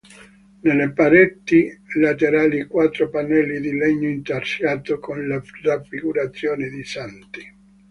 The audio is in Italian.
Nelle pareti laterali quattro pannelli di legno intarsiato, con la raffigurazione di santi.